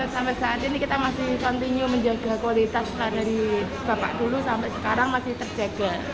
sampai saat ini kita masih continue menjaga kualitas dari bapak dulu sampai sekarang masih terjaga